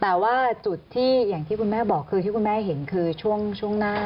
แต่ว่าจุดที่อย่างที่คุณแม่บอกคือที่คุณแม่เห็นคือช่วงหน้า